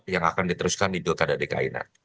yang akan diteruskan di dgdkin